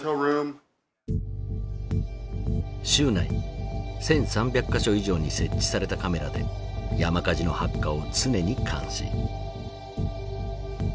州内１，３００か所以上に設置されたカメラで山火事の発火を常に監視。